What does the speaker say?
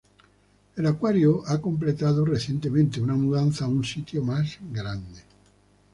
El acuario ha completado recientemente una mudanza a un sitio más grande.